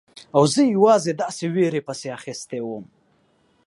او زه یوې داسې ویرې پسې اخیستی وم.